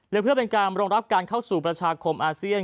และเพื่อเป็นการรองรับการเข้าสู่ประชาคมอาเซียน